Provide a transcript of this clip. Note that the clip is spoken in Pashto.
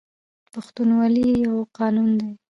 پښتونولي یو قانون دی